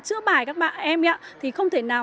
chữa bài các bạn em ấy ạ thì không thể nào